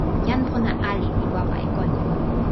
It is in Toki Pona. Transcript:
jan pona ali li wawa e kon.